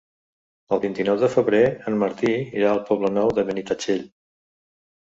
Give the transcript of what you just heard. El vint-i-nou de febrer en Martí irà al Poble Nou de Benitatxell.